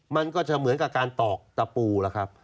มันก็จะเหมือนกับการตอกตะปูล่ะครับ